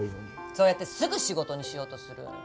そうやってすぐ仕事にしようとする。